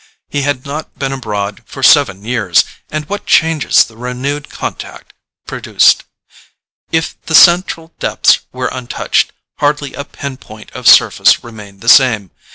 He had not been abroad for seven years—and what changes the renewed contact produced! If the central depths were untouched, hardly a pin point of surface remained the same.